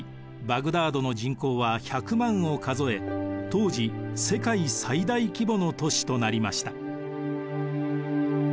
バグダードの人口は１００万を数え当時世界最大規模の都市となりました。